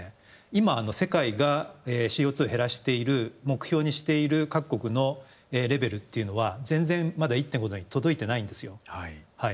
今世界がＣＯを減らしている目標にしている各国のレベルっていうのは全然まだ１．５℃に届いてないんですよ。